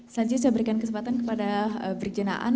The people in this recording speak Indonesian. selanjutnya saya berikan kesempatan kepada brig jenaan